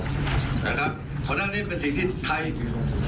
นะครับเพราะฉะนั้นนี่เป็นสิ่งที่ใคร